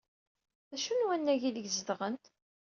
D acu n wannag aydeg zedɣen?